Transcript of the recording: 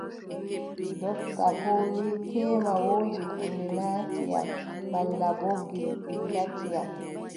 Dopta boo wii teema woodi huunde ŋati yam, malla boo gilɗi gati yam.